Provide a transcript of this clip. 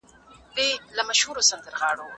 د ډیلي خلګو د احمد شاه ابدالي په اړه څه غبرګون وښود؟